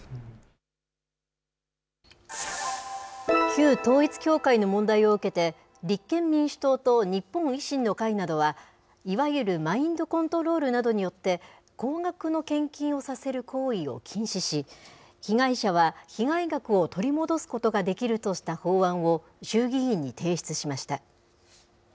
旧統一教会の問題を受けて、立憲民主党と日本維新の会などは、いわゆるマインドコントロールなどによって、高額の献金をさせる行為を禁止し、被害者は被害額を取り戻すことができるとした法案を衆議院に提出しました。